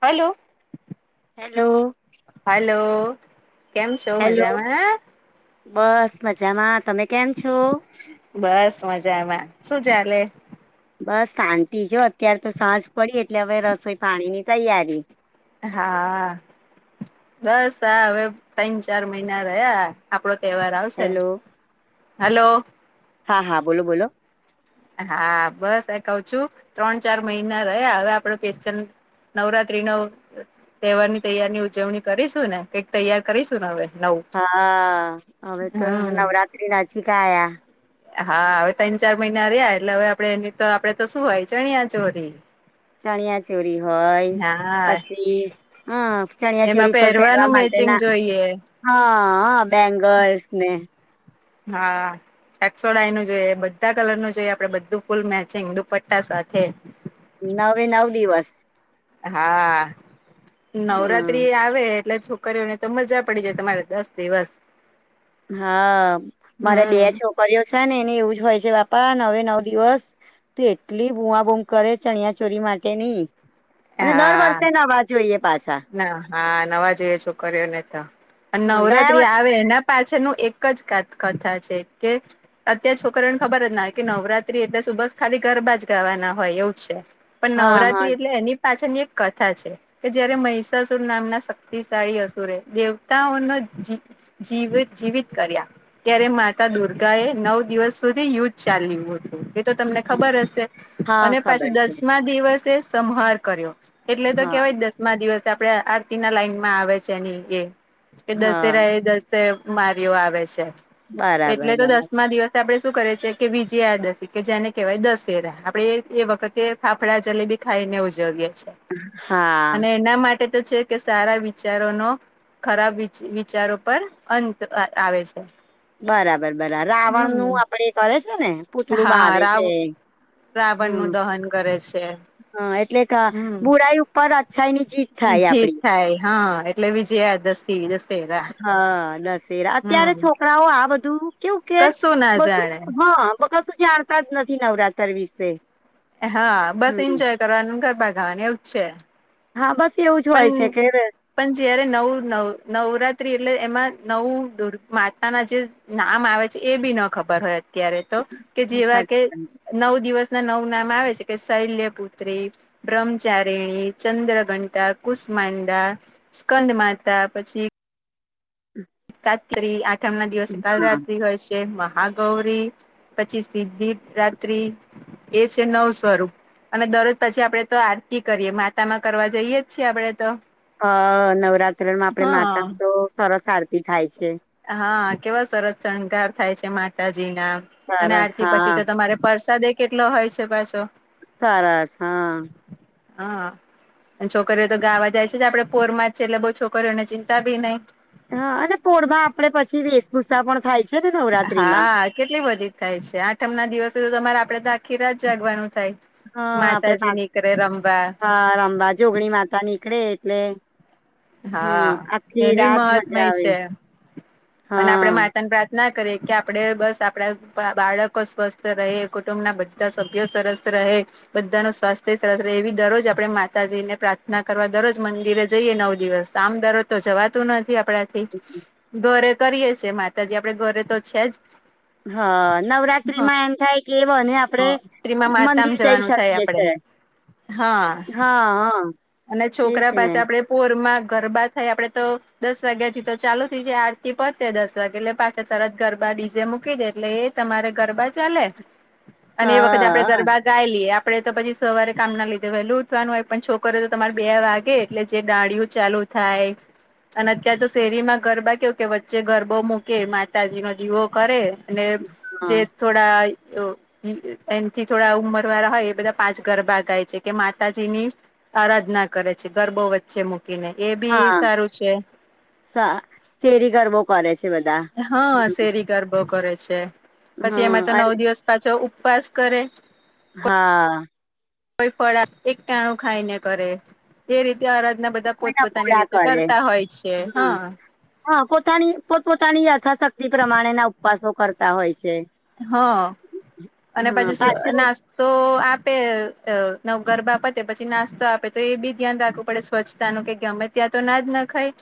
Hello. Hello. Hello કેમ છો hello મજામાં. બસ મજામાં તમે કેમ છો. બસ મજા એમાં શું ચાલે. બસ શાંતિ જો અત્યારે તો સાજ પડી એટલે હવે રસોઈ પાણી ની તૈયારી. હા બસ આા હવે ત્રણ ચાર મહિના રહ્યા. આપડો તહેવાર આવશે હેલો હલો. હા હા બોલો બોલો. હા બસ આ કઉ છું ત્રણ ચાર મહિના રહ હવે આપડે. નવરાત્રી નો. તહેવારની તૈયારીની ઉજવણી કરીશું ને કઈક તૈયાર કરીશું ને હવે નવું. હા હવે તો હમ નવરાત્રી નાજી ક આયા. હા હવે ત્રણ ચાર મહિના રહ્યા એટલે હવે આપડે એની તો આપડે તો શું હોય ચણિયા ચોરી. ચણિયા ચોરી હોય હા પછી હમ ચણિયા ચોરી પર પેરવા માંગ. ચિંગ જોઈએ. હા બેંગલ્સ ને હા સેક્સોડાાઈ નું જોઈએ બધા કલર નું જોઈએ આપડે બધું ફૂલ મેચિંગ દુપટ્ટા સાથે. નવે નવ દિવસ હા હમ નવરાત્રી આવે એટલે છોક રીઓ ને તો મજા પડી જાય તમારે દસ દિવસ. હા મારે બે હમ છોકરીઓ છે ને એને એવું જ હોય છે બાપા નવે નવ દિવસ. તો એટલી બૂમાં બૂમ કરે ચણિયા ચોરી માટેની અને દર હા વર્ષે નવા જોઈએ પાછા. ના હા નવા જોઈએ છોક્યો ને તો અને હા ગયા નવરાત્રી વર આવે એના પાછનું એક જ કા કથા છે કે અત્યાર છોકરીઓને ખબર જ ના હોય કે નવરાત્રી એટલે શું બસ ખાલી ગરબા જ ગાવાના હોય એવું છે. પણ હા હા નવરાત્રી એટલે એની પાછળની એક કથા છે. મહીસાસુર નામ ના શક્તિશાળી અસુરે દેવતાઓ નો જી વ જીવિત કર્યા. ત્યારે માતા દુર્ગા એ નવ દિવસ સુધી યુદ્ધ ચાલ્યું હતું. તો તમને ખબર હશે હા અને પાછું ખબર છે દસમા દિવસે સંહાર કર્યો. એટલે તો હા કેવાય દસમા દિવસ આપડે આરતી ના લાઈન માં આવે છે એની એ કે હા દસેરા દસે મારીઓ આવે છે બરાબર એટલે તો બરાબર દસમા દિવસે આપણે શું કરે છે કે વિજયાદશી કે જેને કહેવાય દશેરા આપણેે એ વખતે ફાફડા જલેબી ખાઈ ને ઉજવીએ છીએ. હા અને એના માટે તો છે કે સારા વિચારોનો ખરાબ વિચારો પર અંત આવે છે. બરાબર બરાબર રાવણ હમ નું આપડે કરે છે ને પૂતળું હા બારે છે. રાવ રાવણ નું હમ દહન કરે છે. હા એટલે કે હમ બુરાઈ ઉપર અચ્છાઈ ની જીત થાય જીત આપડી. થાય હા એટલે વિજયાદસ મી દશેરા હા દશેરા અત્યારે હમ છોકરાઓ આ બધું કેવું કે કશું ના બધું જાણે હા બહોત જાણતા જ નથી નવરાતર વિશે. એ હા બસ હમ ઇન્જોય કરવાનું ન ગરબા ગાવાની એવુંચ છે. હા બસ એવું જ પણ હોય છે કે પણ જયારે નવું નવ નવ નવરાત્રી એટલે એમાં નવું દુર માતાના જે નામ આવે છે એ બી ન ખબર હોય અત્યારે તો કે જેવા કે સાચી નવ દિવસ ના નવ નામ આવે છે કે શૈલ્ય પુત્રી બ્રહ્મચારીણી ચંદ્રઘંટા કુસમાંડા સ્કંદ માતા પછી [unintelligible] આઠમ ના દિવસે કાલ હા રાત્રી હોય છે. કે મહાગૌરી પછી સિદ્ધિ રાત્રી એ છે નવ સ્વરૂપ. અને દરરોજ પછી આપડે તો આરતી કરીએ માતામાં કરવા જઈએ જ છે આપડે તો. હ નવરાત્રીમાં આપડે માતા હા તો સરસ આરતી થાય છે. હા કેવા સરસ શણગાર થાય છે માતાજીના. અને સરસ આરતી હા પછી તો તમારે પરસાદેય કેટલો હોય છે પાછો. સરસ હા હા ને છોકરીઓ તો ગાવા જાય છે જ આડે પોરમાં છે એટલે બોઉ છોકરીઓને ચિંતા ભી નઇ. હા અને પોળમાં આપડે પછી વેશભૂષા પણ થાય છે. ને નવરાત્રીમાં હા કેટલી બધી થાય છે. આઠમ ના દિવસે તો તમારે આપડે તો આખી રાત જાગવાનું થાય. હા આપડે માતાજી આક નીકળે રમવા હા રમબા જોગણી માતા નીકળે એટલે. હા હમ આખી એનુંય રાત મહત્મય મજા આવે છે અને આપડે હા માતા ને પ્રા ના કરીએ કે આપડે બસ આપડા બાળકો સ્વસ્થ રહે. કુટુંબના બધા સભ્યો સરસ રહે. બધાનું સ્વાસ્થ્ય સરત રહે એવી દરરોજ આપડે માતાજીને પ્રાર્થના કરવા દરરોજ મંદિરે જઈએ નવ દિવસ આમ દરોજ તો જવાતું નથી આપડાથી. ઘરે કરીએ છે માતાજી આપડે ઘરે તો છે જ. હ નવરાત્રી માં એમ થાય કે વને આપ આપડે ત્રીમાં માતામ મંદિર જઈ જવાનું થાય શકીએ આપડે છે. હા હા હા. અને એજ છોકરા ને પાછા આપડે પ પોરમાં ગરબા થાય આપડે તો દસ વાગ્યા થી તો ચાલુ થઈ જાય આરતી પતેે દસ વાગે એટલે પાછા તરત ગરબા ડીજે મૂકી દે એટલે એ તમારે ગરબા ચાલે અને એ વખતે આપડે હા ગરબા ગાઈ લીએ આપડે તો પછી સવારે કામ ના લીધે વેલું ઉઠવાનું હોય પન છોક કરે તો તમારે બે વાગે એટલે જે ડાળિયું ચાલુ થાય અને અત્યારે તો શેરીમાં ગરબા કેવું કે વચ્ચે ગરબો મૂકે માતાજી નો દીવો કરે અને હા જે થોડા એમથી થોડા ઉંમર વાળા હોય એ બધા પાંચ ગરબા ગાય છે કે માતાજીની આરાધના કરે છે ગરબો વચ્ચે મૂકીને. એ બી હા સારું છે. સા સેરી ગરબો પરે સે બધા. હા હમ શેરી ગરબો કરે છે પછી એમાં હા તો નવ અને દિવસ પાછો ઉપવાસ કરે હા. કોઈ ફળા એક ટાણું ખાઈને કરે. એ રીત ત્યારજના બધા કોઈના પોતપોતાની પૂરા રીતે કરે કરતા હોય છે. હા. હા પોતાની પોતપોતાની યથાશક્તિ પ્રમાણેના ઉપવાસો કરતા હોય છે. હ અને હા પછી પાછું ના તો આપે ત નવ ગરબા પતે પછી નાસ્તો આપે તો એ બી ધ્યાન રાખવું પડે સ્વચ્છ તાનું કે ગમે ત્યાં તો ના જ નખાય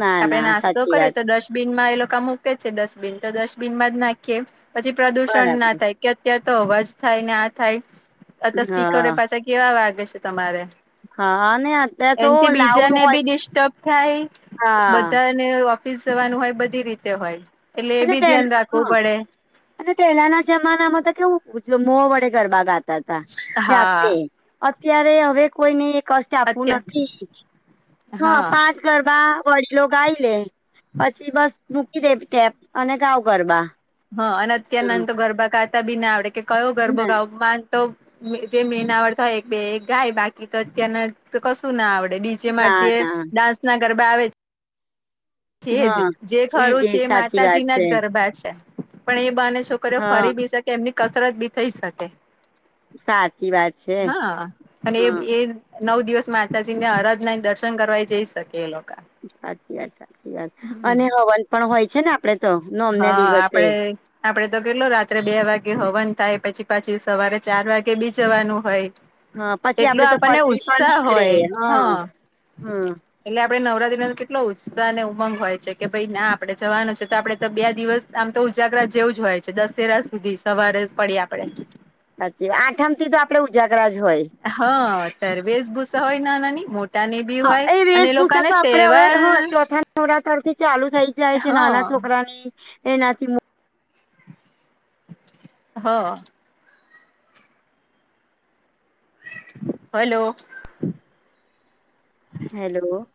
ના આપડે ના નાસ્તો સાચી કરીએ વાત તો ડસ બિનમાં એ લોકો આમ મૂકે છે ડસ્ટબિન તો ડસ્ટબિનમાં જ નાખીએ પછી, પ્રદુષણ ના બરાબર થાય. કે અત્યા તો અવાજ થાય ને આ થાય અત્યા સ્પીકરોય હા પાછા કેવા વાગે છે તમારે. હા અને અત્યારે તો એમથી લાઉડ બીજાને હોય બી છે ડિસ્ટર્બ થાય હા બધા ઓફિસ જવાનું હોય બધી રીતે હોય એટલે એ અને બી તે ધ્યાન હા રાખવું પડે. અને પહેલાના જમાનામાં તો કેવું મો વડે ગરબા ગાતા હતા જાતે. હા અત્યારે હવે કોઈને એ કષ્ટ આપવું અત્યાર નથી. હ હા પાંચ ગરબા વડીલો ગાઈ લે પછી બસ મૂકી દે કેપ અને ગાવ ગરબા. હા અને અત્ય્યારે હા ના તો ગરબા ગાતા બી ના આવડે કે કયો ગરબો ગાવો તો જે મેનાવડતા હોય એક બે એક ગાય બાકી તો અત્યારનાજ તો કશું ના આવડે ડીચે માં ના જે ના ડાન્સ ના ગરબા આવે છેજ, હા જે એજ ખરું છે એજ એ સાચી વાત માતાજી ના છે જ ગરબા છે. પણ એ બાને છોકરીઓ હા ફરી બી શકે એમની કસરત બી થઈ શકે. સાચી વાત છે હા અને હા એ એ નવ દિવસ માતાજી ને અરજ ના દર્શન કરવા જઈ શકે એ લોકો. સાચી વાત સાચી વાત અને હમ હવન પણ હોય છે ને આપડે તો નોમ ના હા દિવસે. આપડે આપડે તો કેટલો રાત્રે બે વાગે હવન થાય, પછી પાછી સવારે ચાર વાગે બી જવાનું હોય હા પછી એટલો આપડે તો આપણને પલ્લી પણ ઉત્સાહ નીકળે હોય, હા. હા એટલે આપડે નવરાત્રી ન કેટલો ઉત્સાહ અને ઉમંગ હોય છે કે ભાઈ ના આપડે જવાનું છે તો આપડે તો બે દિવસ આમ તો ઉજાગરા જેવું જ હોય છે દસેરા સુધી સવારે પડી આપડે. સાચી આઠમ થી તો આપડે ઉજાગરાજ હોય. હા તર વેશભૂષા હોય ના નાની મો ટાની બી હોય અને એ લોકોને તહેવાર છોરા તરફ ચાલુ થઈ જાય છે, નાના હા છોકરાની એનાથી. હા. હલો. હેલો.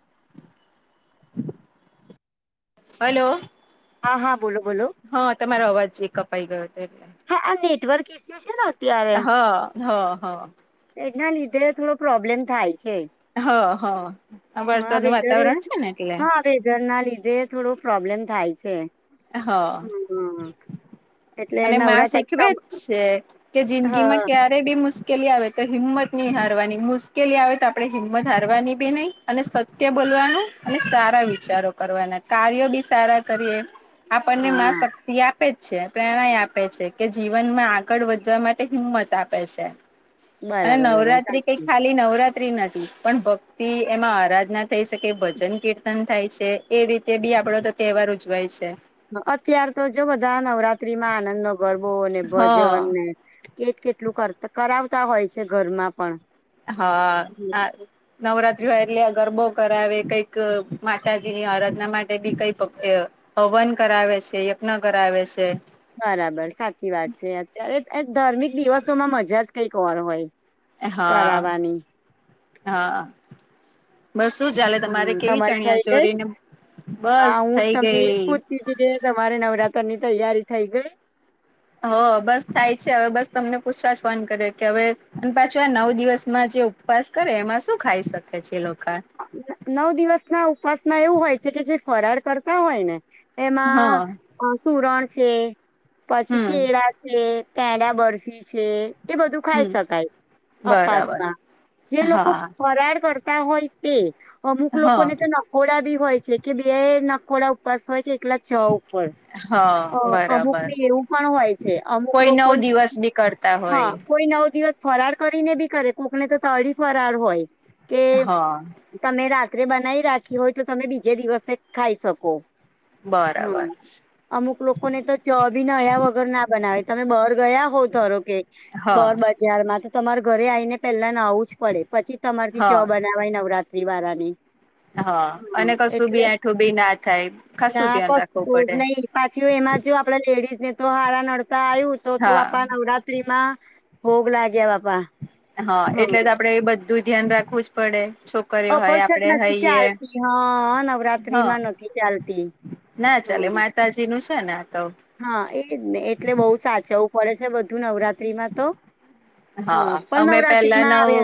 હલો. હા, હા, બોલો, બોલો. હા, તમારો અવાજ જે કપાઈ ગયો હતો એટલે. હા આ નેટવર્ક એસયુ છે. અત્યારે હા, હ, હ. એના લીધે થોડો પ્રોબ્લેમ થાય છે. હ, હ, હા વરસાદ નું વેધર એવું વાતાવરણ છે ને એટલે. હા વેધર ના લીધે થોડો પ્રોબ્લેમ થાય છે. હ, હા, એટલે. અને નવરાત્ર હ શીખવે જ છે કે, જિંદગીમાં હા ક્યારે આપે બી મુશ્કેલી આવે તો હિંમત નહીં હારવાની, મુશ્કેલી આવે તો આપડે હિંમત હારવાની બી નહીં. અને સત્ય બોલવાનું અને સારા વિચારો કરવાના કાર્યો બી સારા કરીએ. આપણને શક્તિ આપ. આપે છે, પ્રેરણાા આપે છે કે જીવનમાં આગળ વધવા માટે હિંમત આપે છે. અને બરાબર બરાબર નવરાત્રી કઈ સાચી ખાલી નવરાત્રી? પણ ભક્તિ, એમાં આરાધના થઈ શકે, ભજન-કીર્તન થાય છે, એ રીતે બી આપડો તહેવાર ઉજવાય છે. અત્યારે તો જો બધા નવરાત્રી માં આનંદ નો ગરબો ને ભજન ને. હા. કેટ કેટલું કર કરાવતા હોય છે ઘરમાં પણ. હા, હ. નવરાત્રી હોય એટલે ગરબો કરાવે, કઈક માતાજીની આરાધના માટે બી કઈ રીતે હવન કરાવે છે, યજ્ઞ કરાવે છે. બરાબર, સાચી વાત છે. અત્યારે ધાર્મિક દિવસોમાં મજા જ કઈક ઓર હોય. હા, કરાવવાની હા. બસ, શું ચાલે? તમારે હમ કેવી તમારી થઈ ચણ્યા ગઈ ચોરીને બસ હા હું જ થઈ તમને એ જ ગઈ? પૂછતી તમારે નવરાત્ર ની તૈયારી થઈ ગઈ. હ, બસ થાય છે હવે. બસ તમને પૂછવા જ ફોન કરે કે હવે પાછું નવ દિવસમાં જે ઉપવાસ કરે એમાં શું ખાઈ શકે છે એ લોકો? નવ દિવસ ના ઉપવાસમાં એવું હોય છે કે જે ફરાળ કરતા હોય ને. હા એમાં સુરણ છે, પછી હમ કેળા. છે, પૈડા બરફી છે. એ બધું હમ ખાઈ શકાય બરાબર કપાસમાં, જે લોકો હા ફરાળ કરતા હોય? એ અમુક હા લોકોને તો નખોડા બી હોય છે કે બે નખોડા ઉપવાસ હોય કે એકલા જોવું પડે, હા અમુક બરાબર ને એવું પણ હોય છે, અમુક કોઈ નવ લોકોની દિવસ બી કરતા હા, હોય કોઈ નવ દિવસ ફરાર કરીને બી કરે, કોકને તો તળી ફરાળ હોય. કે હા. તમે રાત્રે બનાવી રાખી હોય તો તમે બીજે દિવસે ખાઈ શકો? બરાબર હા, અમુક લોકોને તો ચા બી નાયા વગર ના બનાવે. તમે બહાર ગયા હોવ, ધાર કે બર હા બજારમાં તો તમારા ઘરે આવીને. પેલા ના, આવું જ પડે. પછી તમારથી ચા હા બનાવાય નવરાત્રી વાળાની. હા, અને હમ કશું બી એટલે આઠું બી ના થાય, ખાસું ધ્યાન રાખવું પડે. નહીં, પાછી એમાં જો આપડા લેડીઝ ને. તો હારા નડતા આવ્યું તો તો હા બાપા, નવરાત્રી માં ભોગ લાગ્યા બાપા. હા, એટલે તો આપડે બધું ધ્યાન રાખવું જ પડે છે. અપરસટ નથી ચાલતી, હા, નવરાત્રી હા માં નથી ચાલતી. ના ચાલે, હમ માતાજી નું છે ને આ તો. હા એટલે જને એટલે બહુ સાચવવું પડે છે બધું નવરાત્રીમાં તો હા પણ અમે પેલા નવરાત્રીમાં નવ આવે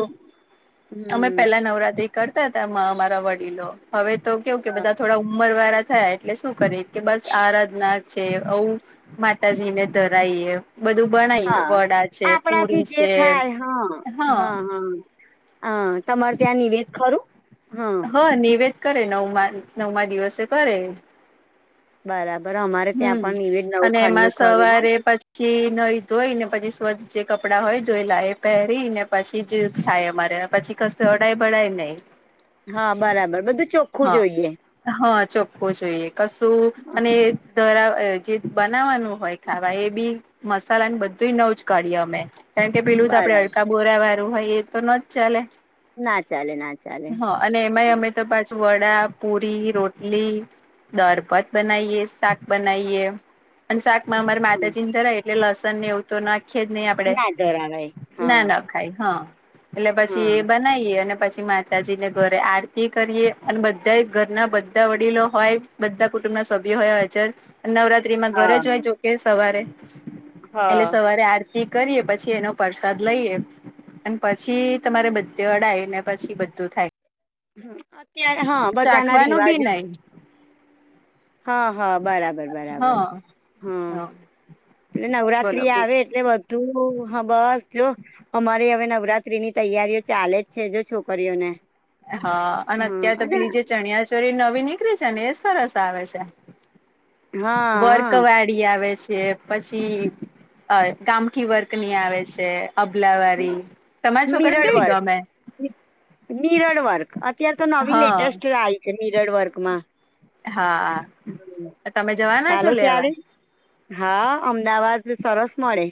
અમે હમ પેલા નવરાત્રી કરતા હતા અમા અમારા વડીલો હવે તો કેવું કે બધા થોડા ઉમ ઉમર વાળા થયા એટલે શું કરી કે બસ આરાધના છે આવું માતાજી ને ધરાઈએ. બધું બનાઈએ હા વડા છે, આપણાથી પુરી જે છે થાય હ. હ તમારે ત્યાં નિવેદ ખરું હ. હ નિવેદ કરે નવમા નવમા દિવસે કરે. બરાબર અમારે ત્યાં હમ પણ જ નવું ખંડનું ખરું હ. કે પછી નઈ ધોઈ ને પછી સ્વ્ચ્છ જે કપડાં હોય ધોઈલા એ પહેરીને પછી જે થાય અમારે. પછી કશું અડાય બડાય નહી. હા બરાબર બધું ચોખ્ખું હા જોઈએ. હા ચોખ્ખું જોઈએ કશું હા, અને ધરાવ અજે બનાવવાનું હોય ખાવા એ બી મસાલાન બધુંય નવું જ કાઢીએ અમે. કારણ કે પેલું તો આપડે બરાબર હડકા બોરા વાળું હોય એ તો ન જ ચાલે. ના ચાલે ના ચાલે. હા અને એમાંય અમે તો પાછું વડા, પુરી, રોટલી, દારભાત બનાઈએે શાક બનાઈએ અને શાક માં અમાર હમ, માતાજી ને ધરાય એટલે લસણ ને એવું તો નાખીએ જ નહી આપડે ના ધરાવાય ના હા ના ખાય હા એટલે પછી હા એ બનાઈએ અને પછી મા તાજી ને ઘરે આરતી કરીએ અન બધાય ઘરના બધા વડીલો હોય. બધા કુટુંબ નાના સભ્યો હોય હાજર. નવરાત્રીમાં ઘરે હા જ હોય જોકે સવારે એટલે હા સવારે આર તી કરીએ પછી એનો પ્રસાદ લઈએ. અને પછી તમારે બધે અડાય ને પછી બધું થાય. અત્યારે હા બધાના ચાખવાનું બી રિવાજો નહી. હા હા બરાબર બરાબર હા હા એટલે બોલો નવરાત્રી આવે એટલે બધું હા બસ લો અમારી હવે નવરાત્રી ની તૈયારીઓ ચાલે જ છે જો છોકરીઓને. હા અન હા અત્યાર તો અને પેલી જે ચણિયા ચોરી નવી નીકળી છે ને એ સરસ આવે છે હા વર્ક હા વા ડી આવે છે પછી અ કામકી વર્કની આવે છે. અભલાવારી તમાર છોકરીઓન કેવી ગમે? નિરડ વર્ક અત્યાર તો નવી હા લેટેસ્ટ આઈ છે નિરડ વર્કમાં. હા હમ. ત તમે જવાના છો ચાલો લેવા? ત્યારે હા અમદાવાદ સરસ મળે.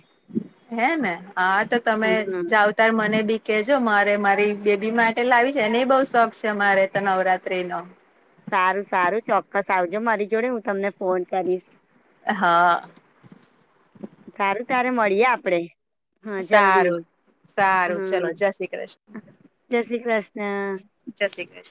હે ને હા તો તમે હા જાવો તાર મને બી કેજો મારે મારી બેબી માટે લાવી છે એને બહુ શોખ છે મારે તો નવરાત્રી નો. સારું સારું ચોક્કસ આવજો મારી જોડે હું તમને ફોન કરીશ. હા. સારું તારે મળીએે આપડે. હા જલ્દી સારું હ સારું ચલો જય શ્રી કૃષ્ણ જય શ્રી ક્રશ્ર્ન. જય શ્રી ક્રશ્ર્ન.